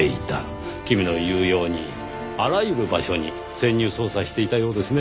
君の言うようにあらゆる場所に潜入捜査していたようですね。